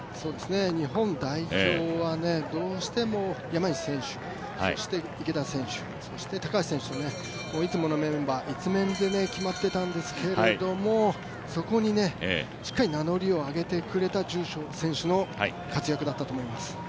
日本代表はどうしても山西選手、そして池田選手そして高橋選手と、いつものメンバー、いつメンで決まっていたんですけど、そこにしっかり名乗りを上げてくれた住所選手の活躍だったと思います。